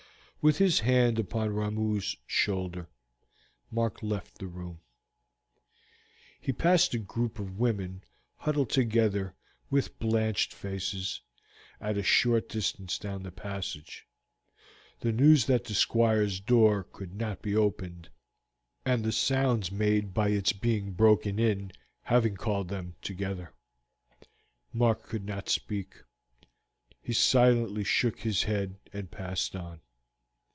With his hand upon Ramoo's shoulder, Mark left the room; he passed a group of women huddled together with blanched faces, at a short distance down the passage, the news that the Squire's door could not be opened and the sounds made by its being broken in having called them together. Mark could not speak. He silently shook his head and passed on.